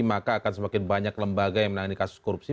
maka akan semakin banyak lembaga yang menangani kasus korupsi